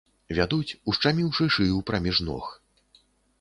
Вядуць, ушчаміўшы шыю праміж ног.